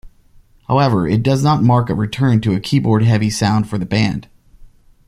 However, it does not mark a return to a keyboard-heavy sound for the band.